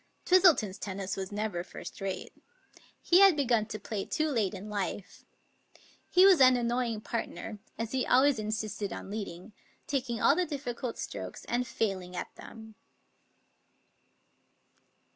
Twistleton's tennis was never first rate. He had begun to play too late in life. He was an annoying partner, as he always insisted on leading, taking all the difficult strokes, and failing at them.